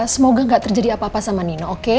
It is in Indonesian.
semoga nggak terjadi apa apa sama nino oke